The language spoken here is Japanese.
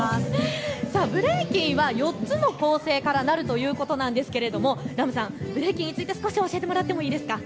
ブレイキンは４つの構成からなるということなんですが、ＲＡＭさん、ブレイキンについて少し教えてもらってもいいですか？